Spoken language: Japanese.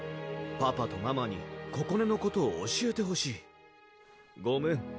パパとママにここねのことを教えてほしいごめん